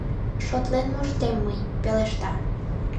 Шотлен моштем мый! — пелешта.